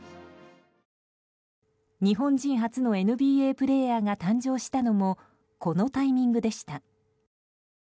日本人初のＮＢＡプレーヤーが誕生したのもこのタイミングでした。